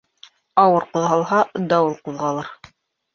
Ауыр ҡуҙғалһа, дауыл ҡуҙғалыр.